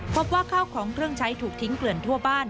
พบว่าข้าวของเครื่องใช้ถูกทิ้งเกลื่อนทั่วบ้าน